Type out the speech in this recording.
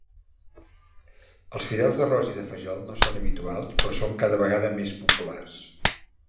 Els fideus d'arròs i de fajol no són habituals, però són cada vegada més populars.